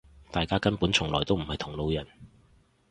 大家根本從來都唔係同路人